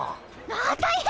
ああ大変！